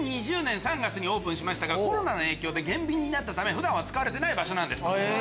２０２０年３月にオープンしましたがコロナの影響で減便になったため普段は使われてない場所です。